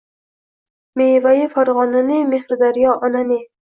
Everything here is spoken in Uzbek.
Mevai Fargʼona ne, mehri daryo ona ne